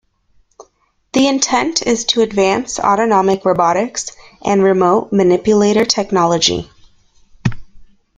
The intent is to advance autonomic robotics and remote manipulator technology.